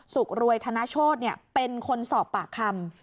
สุขรวยทนาโชฯเป็นคนสอบปากคำ